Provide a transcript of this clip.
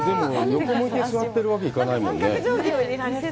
横向いて座っているわけにいかないものね。